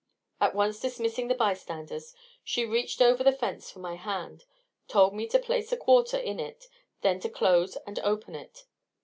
At once dismissing the bystanders, she reached over the fence for my hand, told me to place a quarter in it, then to close and open it.